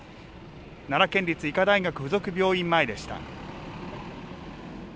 奈良県立医科大学附属病院前でした。